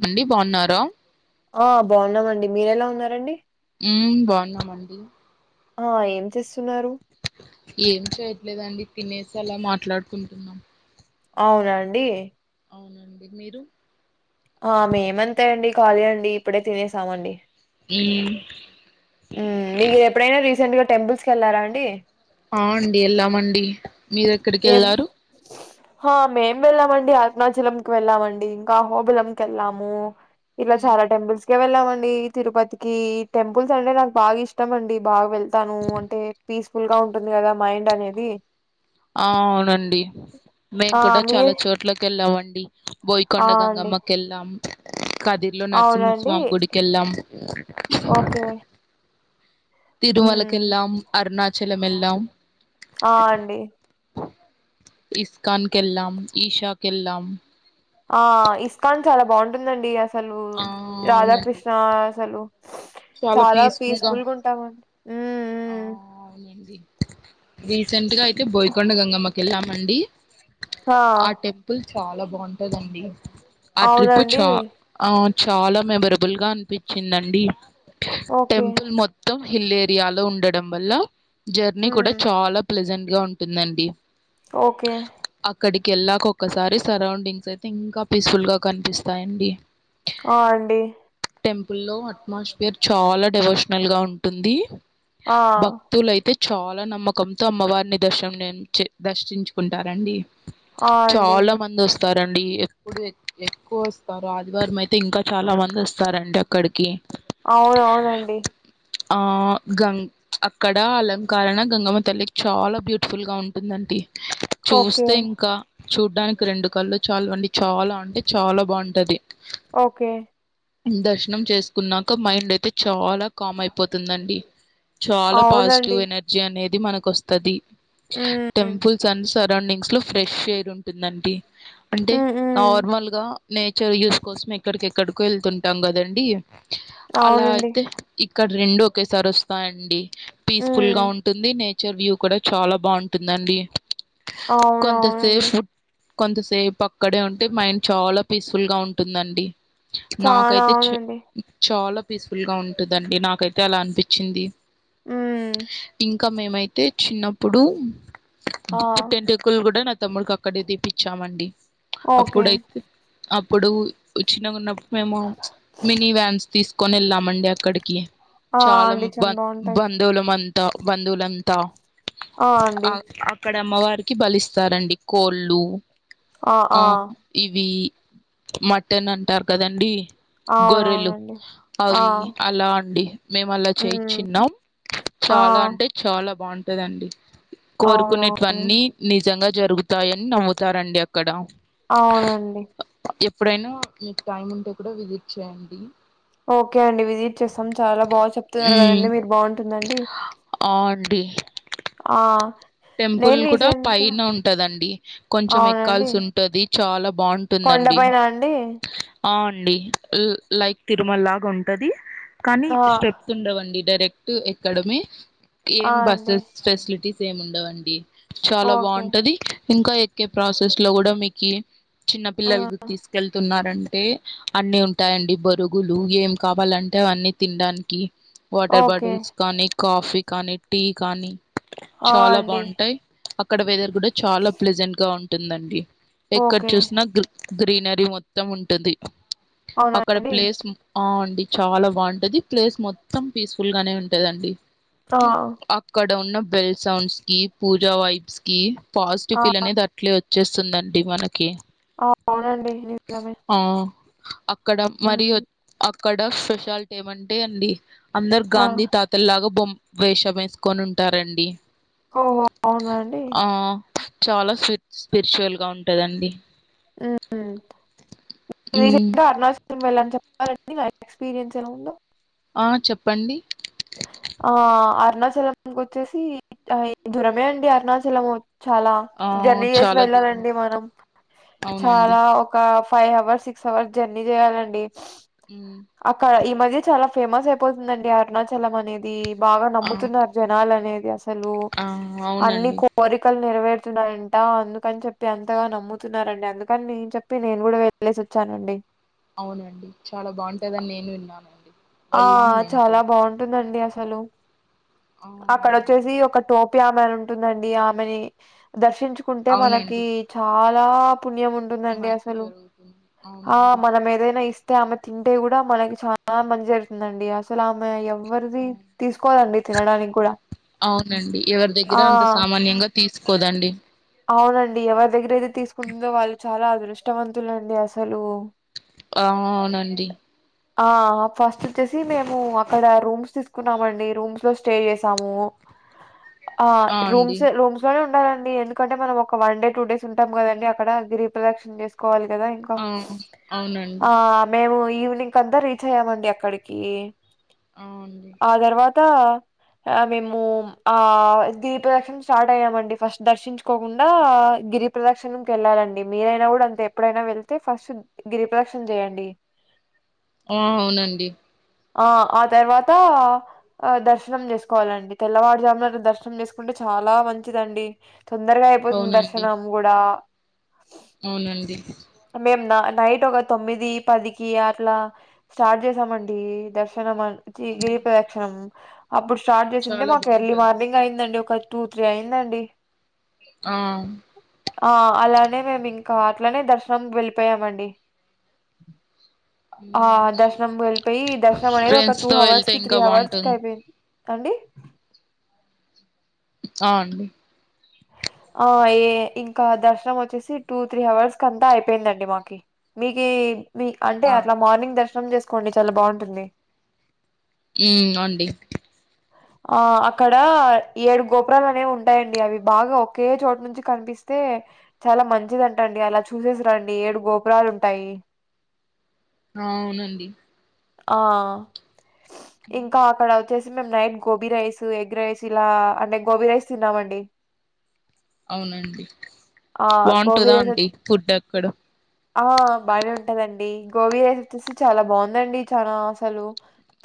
మండి బాగున్నారా ఆ బాగున్నామండి మీరెలా ఉన్నారండి ఉ బాగున్నామండి ఆ ఏం చేస్తున్నారు ఏం చేయట్లేదండి తినేసి అలా మాట్లాడుకుంటున్నాం అవునండి అవునండి మీరు ఆ మేమంతా అండి ఖాళీ అండి ఇప్పుడే తినేసామండి ఏ మీరు ఎప్పుడైనా రీసెంట్గా టెంపుల్స్కి వెళ్లారా అండి ఆ అండి ఎల్లామ అండి మీర ఎం ఆ మేం వెళ్ళామండి అరణాచలంకు వెళ్ళామండి ఇంకా అహోబిలం కెళ్ళాము ఇలా ఉమ్, చాలా టెంపుల్స్ ఇగ వెళ్ళామండి తిరుపతికి టెంపుల్స్ అంటే నాకు బాగా ఇష్టమండి బాగా వెళ్ తను అంటే పీస్ఫుల్గా ఉంటుంది కదా మైండ్ అనేది ఆ అవునండి మేము ఆ! కూడా చాలా మీర్ చోట్లకి వెళ్ళామండి పోయకొండ ఆ! అండి. గంగమ్మకెల్నాం కదిర్లో అవునండి. నరసింహస్వామి గుడికి వెళ్ళాం ఓకే. హ్మ్. తిరుమలకెలాం అరుణాచలం ఎలాం ఆ అండి ఇస్కన్ కెళ్ళం ఈషా కెళ్ళం ఆ ఇస్కాన్ చాలా బాగుంటుందండి అసలు ఆ అవునండి రాధాకృష్ణ అసలు చాలా పీస్ఫుల్గా అవునండి రీసెంట్గా అయితే బోయకొండ గంగమ్మకి వెళ్ళామండి ఆ టె టప్పుల్ చాలా బాగుంటాందండి ఆ ట్రిప్ అవునండి చా ఆ చాలా మెమరబుల్గా అనిపించిందండి ఓకే టెంపుల్ మొత్తం మొత్తం హిల్ ఏరియాలో ఉండడం వల్ల జర్నీ కూడా మ్మ్ చాలా ప్లజెంట్గా ఉంటుందండి ఓకే అక్కడికి వెళ్ళాక ఒక్కసారి సరౌండింగ్స్ అయితే ఇంకా పీస్ఫుల్గా కనిపిస్తాయండి ఆ అండి టెంపుల్లో అట్మాస్ఫియర్ చాలా డివోషనల్గా ఉంటుంది ఆ భక్తులు అయితే చాలా నమ్మకంతో అమ్మవారిని దర్శనం దర్శించుకుంటారండి ఆ అండి చాలా మంది వస్తు వస్తారండి ఎప్పుడు ఎక్కువ వస్తారు ఆదివారం అయితే ఇంకా చాలా మంది వస్తారండి అక్కడికి అవున అవునండి ఆ గంగ్ అక్కడ అలంకరణ గంగమ్మ తల్లికి చాలా బ్యూటిఫుల్గా ఉంటుందండి ఓకే చూస్తే ఇంకా చూడ్డానికి రెండు కళ్లు చాలవండి చాలా అంటే చాలా బాగుంటది ఓకే దర్శనం చేసుకున్నాక మైండ్ అయితే చాలా కామ్ అయిపోతుందండి చాలా పాజిటివ్ అవునండి ఎనర్జీ అనేది మనకు వస్తుది మ్మ్ టెంపుల్ సన్స్ సరౌండింగ్స్లో ఫ్రెష్ ఎయిర్ ఉంటుందండి అంటే మ్మ్ మ్మ్ నార్మల్గా నేచర్ యూస్ కోసం ఎక్కడికెక్కడికో వెళ్తుంటాం కదండీ అలా అవునండి అయితే ఇక్కడ రెండు ఒకేసారి వస్తాయండి మ్మ్ పీస్ఫుల్గా ఉంటుంది నే వ్యూ కూడా చాలా బాగుంటుందండి అవును అవునండి కొంతసేపు కొంతసేపు అక్కడే ఉంటే మైండ్ చాలా పీస్ఫుల్గా ఉంటుందండి చాలా నాకైతే చ అవునండి చాలా పీస్ఫుల్గా ఉంటుందండి నాకైతే అలా అనిపించింది మ్మ్ ఇంకా మేమైతే చిన్నప్పుడు ఆ పుటుంట స్కూల్ కూడా నా తమ్ముడికి అక్కడే తీపించామండి ఓకే అప్పుడైతే అప్పుడు చిన్నగా ఉన్నప్పుడు మేము ఈ వాన్స్ తీసుకోని వెళామండి అక్కడికి ఆ! చలా అండి. బ చాలా బావుంటాయి. బంధువులమంతా బంధువులు అంతా ఆ అక్కడ అమ్మవారికి బలిస్తారండి కోళ్ళు ఆ ఇవి మటన్ అంటారు కదండి గొర్రెలు అవునవునండి. ఆ! అవి అలా అండి మేము అలా హ్మ్. చేయిచీన్నాం ఆ! చాలా అంటే చాలా బాగుంటదండి కోరుకునేటువన్నీ అవునవునండి. నిజంగా జరుగుతాయని నమ్ముతారండి అక్కడ అవునండి ఇప్పుడైనా మీకు టైమ్ ఉంటే కూడా విజిట్ చేయండి ఓకే అండి విజిట్ చేస్తాం చాలా బాగా చెప్తున్నారు హ్మ్. కదండి మీరు బాగుంటుందండి ఆ అండి ఆ టెంపుల్ నేను కూడా రీసెంట్‌గా పైన ఉంటదండి కొంచెం అవునండి. ఎక్కాల్సి ఉంటది చాలా బాగుంటుందండి టే ఆ అండి లై లైక్ తిరుమల లాగా ఉంటది కానీ ఆ! స్టె ప్స్ ఉండవండి డైరెక్ట్ ఎక్కడమే ఆ! ఏం అండి. బస్సెస్ ఫెసిలిటీస్ ఏం ఉన్ ఉండవండి చాలా ఓకే. బాగుంటది ఇంకా ఎక్కే ప్రాసెస్ లో కూడా మీకి చిన్న ఆ! పిల్లలని తీసుకెళ్తున్నారంటే అన్ని ఉంటాయండి బోరుగులు ఏం కావాలంటే అవన్నీ తినడానికి వాటర్ ఓకే. బాటిల్స్ కానీ కాఫీ కానీ టీ కానీ ఆ అండి ఏ అక్కడ వెదర్ కూడా చాలా ప్లెజెంట్ గా ఉంటుందండి ఎక్కడ ఓకే. చూసిన గ్లె గ్రీనరీ మొత్తం ఉంటుంది అవునా అక్కడ అండి? ప్లేస్ ఆ అండి చాలా బాగుంటది ప్లేస్ మొత్తం పీస్ఫుల్ గానే ఉంటదండి ఆ ఇక్కడ ఉన్న బెల్ సౌండ్స్ కి పూజా వైబ్స్ కి ఆ! పాజిటివ్ ఫీల్ అనేది అట్లే వ చ్చేస్తుందండి మనకి అవునండి నిజమే ఆ అక్కడ మరి హ్మ్. వ అక్కడ స్పెషాలిటీ ఏమంటే అండి అందరు ఆ! గాంధీ తాతల్లాగా బొమ్ వేషం వేసుకొని ఉంటారండి ఓహో అవునా అండి? ఆ చాలా స్ స్పిరిచువల్ గా ఉంటదండి మ్మ్ హ్మ్. రీసెంట్ [inaudible] గా అరుణాచల్ [inaudible] వెళ్ళొచ్చాం [inaudible] ఇగ ఎక్స్పీరియన్స్ ఎలా ఉందో ఆ చెప్పండి ఆ అరుణాచలం వచ్చేసి [inaudible] దూరమే అండి అరుణాచలం చాలా ఆ! జర్నీ చేసి చాలా దూరం. వెళ్ళాలండి మనం అవునండి. చాలా ఒక five hours six hours journey చేయ్యాలండి మ్మ్ అక్కడ ఈ మధ్య చాలా ఫేమస్ అయిపోతుందండి అరుణాచలం అనేది బాగా ఆ! నమ్ముతున్నారు జనాలు అనేది అసలు ఆ! అన్ని అవునండి. కు కోరికలు నెరవేరుతున్నాయంట అందుకని చెప్పి అంతగా నమ్ముతున్నారండి అందుకని నేను చెప్పి నేను కూడా వెల్ లేసి వచ్చానండి అవునండి చాలా బాగుంటదని నేను విన్నానండి ఆ వెళ్ళాం మేము చాలా కూడా. బాగుంటుందండి అసలు ఆ! అక్కడ అవునండి. వచ్చేసి ఒక టోపి ఆమె అని ఉంటదండి ఆమెని దర్శించు కుంటే మనకి అవునండి. చాలా పుణ్యం ఉన్ ఉంటదండి మంచి అసలు జరుగుతుంది. ఆ అవునండి. మనం ఏదైనా ఇస్తే ఆమె తింటే కూడా మనకి చాలా మన్ చిదండి అసలు ఆమె ఎవరిది ఆ! తీసుకోదండి తినడానికి కూడా మ్మ్ ఎవరి దగ్గర ఆ అంత సామ్ తీసుకోదండి అవునండి ఎవరి దగ్గర అయితే తీసుకుంటుందో వాళ్ళు చాలా అదృష్టవంతులండి అసలు. ఆ అవునండి. ఆ ఫస్ట్ వచ్చేసి మేము అక్కడ రూమ్స్ తీసుకున్నామండి రూమ్స్ లో స్టే చేసాము. ఆ రూమ్స్ రూ. నే ఉండాలండి ఎందుకంటే మనం ఒక వన్ డే టూ డేస్ ఉంటం కదండి అక్కడ రీప్రదక్షన్ చేసుకోలి కదా ఇంకా. ఆ! అవునండి. ఆ మేము ఈవినింగ్ అంతా రీచ్ అయ్యామండి అక్కడికి. అవుంది. ఆ తర్వాత ఆ మేము ఆ దీపదక్షి. స్టార్ట్ అయ్యామండి ఫస్ట్ దర్శించుకోకుండా గిరి ప్రదక్షిణకి వెళ్ళాలిండి మీరైనా కూడా అంత ఎప్పుడైనా వెళ్. అయితే ఫస్ట్ గిరి ప్రదక్షణ చేయండి. ఆ అవునండి. ఆ ఆ తర్వాత. ఆ దర్శనం చేసుకోవాలండి తెల్లవారుజామున దర్శనం చేసుకుంటే చాలా మంచిదండి. తొందరగా అయిపోతుంది అవునండి. దర్శనం కూడా. అవునండి. మేము నైట్ ఒక తొమ్మిది పదికి అట్లా. స్టార్ట్ చేసామండి దర్శనం అ. చిగిరి ప్రదక్షిణం అప్పుడు స్టార్ట్ చేసింటే చాలా మాకు ఎర్లీ బావుంటది. మార్నింగ్ అయిందండి ఒక. టూ త్రీ అయిందండి. ఆ. ఆ అలానే మేము ఇంకా అట్లానే దర్. వెళ్ళిపోయామండి. ఆ దర్శనం వెళ్ళిపోయి దర్శనం అనేది ఒక ఫ్రెండ్స్ టూ తో వెళ్తే అవర్స్ కి త్రీ ఇంకా అవర్స్ కి బాగుంటుంది అయిపోయిన్. అండి. ఆ అండి. ఆ ఏ ఇంకా దర్శనం వచ్చేసి టూ త్రీ అవర్స్ కంతా అయిపోయిందండి మాకి. మీకు మీ అంటే అట్లా మార్నింగ్ దర్శనం చేసుకోండి చాలా బాగుంటుంది. ఉ అండి. ఆ అక్కడ ఏడు గోపురాలు అనేవి ఉంటాయండి అవి బాగా ఒకే చోటు నుంచి కనిపిస్. అతే చాలా మంచి దంట అండి అలా చూసేసి రండి ఏడు గోపురాలు ఉంటాయి. ఆ అవునండి. ఆ ఇంకా అక్కడ. వచ్చేసి మేము night gobi rice egg rice ఇలా అంటే గోబీ రైస్ తిన్నామ అండి. అవునండి ఆ గోబీ వామ్టుదా రైస్ అండి ఫుడ్ అక్కడ. ఆ బాగానే ఉంటదండి గోబీ రైస్ వచ్చేసి చాలా బాగుందండి చనా అసలు.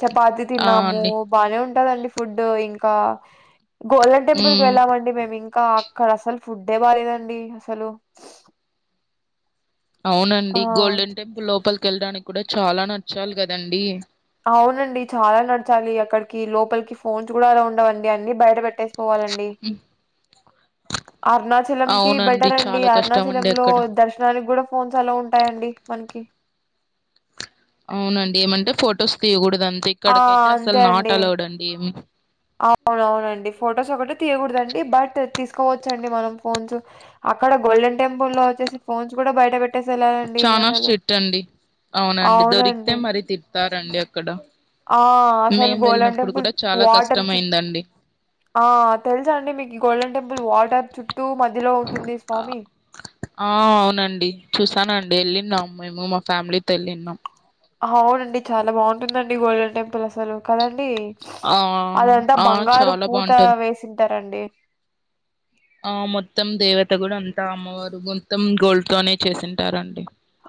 చపాతి ఆ తిన్నాము అండి బానే ఉంటదండి ఫుడ్ ఇంకా. గోల్డెన్ టెంపుల్ కి ఉమ్ వెళ్ళామండి మేము ఇంకా అక్కడ అసలు ఫుడ్ బాగాలేదండి అసలు. ఆ! అవునండి గోల్డెన్ టెంపుల్ లోపలికి వెళ్ళడానికి కూడా చాలా నచ్చాలి కదండి. అవునండి చాలా నడచాలి అక్కడికి లోపలికి ఫోన్స్ కూడా అలా ఉండవండి అన్ని బయట పెట్టేసి. పోవాలండి. అరుణాచలం కి అవునండి బెటర్ అండి చాలా కష్టం అరుణాచల అండి లో అక్కడ దర్. కానికి కూడా ఫోన్స్ అలా ఉంటాయండి మనకి. అవునండి ఏమంటే ఫొటోస్ తీయకూడదు అంతే ఆ! ఇక్కడికైతే అసలు అంతే నాట్ అండి. గెలవడండీ ఏమి. అవునవునండి ఫొటోస్ ఒకటే తీయకూడదండి బట్ తీసుకోవచ్చండి మనం ఫోన్స్. అక్కడ గోల్డె టెంపుల్ లో వచ్చేసి ఫోన్స్ కూడా బయట పెట్ట చానా స్ట్రిక్ట్ అండి. అవునండి దొరికితే మళ్ళీ తిడతారండి అక్కడ ఆ అసలు మేం గోల్డెన్ వెళ్ళినప్పుడు టెంపుల్ కూడా చాలా వాటర్ కష్టం చు అయిందండి ఆ తెలుసా అండి మీకు గోల్డెన్ టెంపుల్ వాటర్ చుట్టూ మధ్యలో ఉంటుంది స్వామి ఆ అవునండి చూసానండి వెళ్ళినాం మేము మా ఫ్యామిలీతో వెళ్ళినాం అవునండి చాలా బాగుంటుందండి. గోల్డెన్ టెంపుల్ అసలు కదండి. ఆ అదంతా ఆ బంగారు చాలా పూత బావుంటది వేసింటారండి. ఆ మొత్తం దేవత కూడా అంతా అమ్మవారు మొత్తం గోల్డ్ తోనే చేసింటారండి.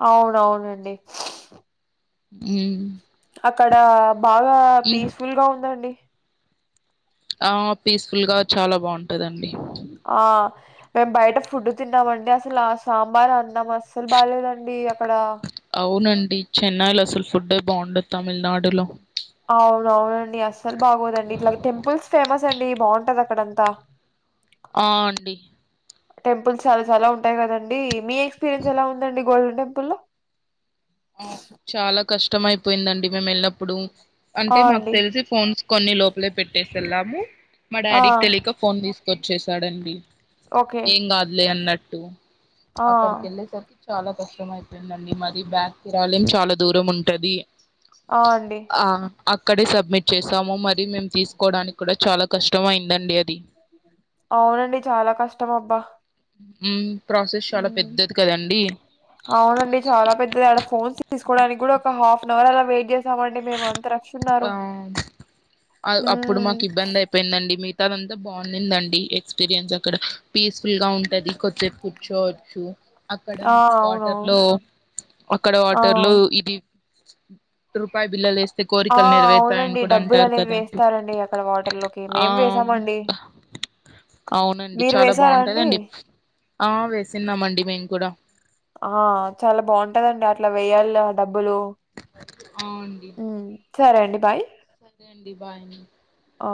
అవునవునండి మ్ అక్కడ బాగా పీస్ఫుల్గా ఉందండి. ఆ పీస్ఫుల్ గా చాలా బాగుంటందండి. ఆ మేము బయట ఫుడ్ తిన్నామండి అసలు సాంబార్ అన్నం అసలు బాగాలేదండి అక్కడ అవునండి చెన్నైలో అసలు ఫుడ్ ఎ బాగుండదు తమిళనాడులో అవును అవునండి అస్సలు బాగోదండి. ఇట్లాగ టెంపుల్స్ ఫేమస్ అండి బాగుంటాది అక్కడంతా. అ అండి టెంపుల్స్ చాలా చాలా ఉంటాయి కదండి. మీ ఎక్స్పీరియన్స్ ఎలా ఉందండి? గోల్డెన్ టెంపుల్ లో ఆ చాలా కష్టం అయిపోయిందండి. మేము వెళ్ళప్పుడు ఆ అంటే మాకు అండి తెలిసి ఫోన్స్ కొన్ని లోపలే పెట్టేసి వెళ్ళాము. మా ఆ డాడీకి తెలియక ఫోన్ తీసుకొచ్చేసాడండి ఓకే ఏం కాదులే అన్నట్టు ఆ అక్కడికి వెళ్ళేసరికి చాలా కష్టం అయిపోయిందండి మరి బ్యాక్ ఆలయం చాలా దూరం ఉంటాది. ఆ అండి అక్కడే సబ్మిట్ చేసాము మరి మేము తీసుకోవడానికి కూడా చాలా కష్టం అయిందండి అది. అవునండి చాలా కష్టం అబ్బా ప్రాసెస్ చాలా ఉమ్ పెద్దది కదండి అవునండి చాలా పెద్దది ఆడ ఫోన్స్ తీసుకోవడానికి కూడా ఒక హాఫ్ అన్ అవర్ అలా వెయిట్ చేసామండి మేము అందరం ఆ అప్పుడు ఉమ్ మాకు ఇబ్బంది అయింది. ఇబ్బంది గా ఉన్నిదేదండీ. మిగతా అంతా బాగుందిందండి ఎక్స్పీరియన్స్ అక్కడ పీస్ఫుల్ గా ఉంటాది. కొద్దిసేపు కూర్చోవచ్చు. అక్కడ ఆ వాటర్ లో అవునవును అక్కడ ఆ వాటర్ లో ఇది రూపాయ బిల్లు వేస్తే ఆ కోరికలు నెరవేరుతాయని అవునండి కూడా డబ్బులు అంటారు అనేది కదండి వేస్తారండి అక్కడ వాటర్ లోకి ఆ మేం వేసామండి. ఆ అవునండి చాలా బాగుంటాదండి. ఆ వేసిన్నామండి మేము కూడా ఆ చాలా బాగుంటదండి అట్లా వేయ్యాలి ఆ డబ్బులు ఆ ఉ సరే అండి బాయ్. ఉ అండి బాయ్ ఆ